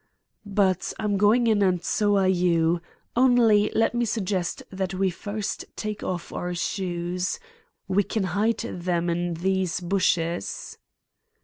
"But I'm going in and so are you. Only, let me suggest that we first take off our shoes. We can hide them in these bushes."